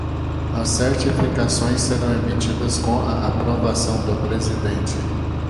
As certificações serão emitidas com a aprovação do Presidente.